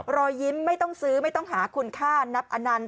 รอยยิ้มไม่ต้องซื้อไม่ต้องหาคุณค่านับอนันต